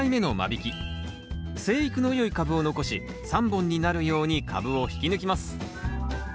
生育の良い株を残し３本になるように株を引き抜きます